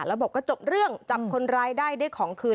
แล้วบอกว่าจบเรื่องจับคนร้ายได้ได้ของคืน